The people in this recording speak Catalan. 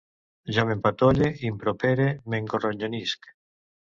Jo m'empatolle, impropere, m'engronyonisc